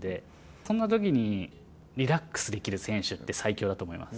そんなときにリラックスできる選手って、最強だと思います。